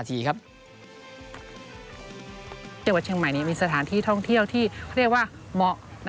จังหวัดเชียงใหม่มีสถานที่ท่องเที่ยวที่เขาเรียกว่าเหมาะ